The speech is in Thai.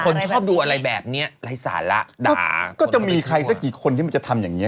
ชอบดูอะไรแบบเนี้ยไร้สาระดับก็จะมีใครสักกี่คนที่มันจะทำอย่างเงี้